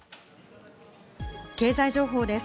経済情報です。